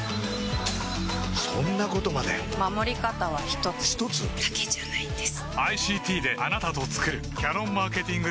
そんなことまで守り方は一つ一つ？だけじゃないんです